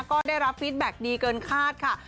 นะคะก็ได้รับฟีสแบ็กท์ดีเกินคาดค่ะค่ะ